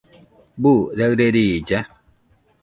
¿Buu raɨre riilla?